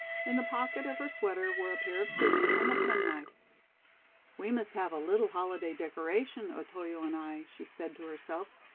In the pocket of her sweater were a pair of scissors and a penknife. "We must have a little holiday decoration, Otoyo and I," she said to herself.